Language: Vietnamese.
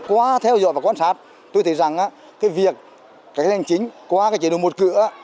qua theo dõi và quan sát tôi thấy rằng cái việc cách hành chính qua cái chế độ một cửa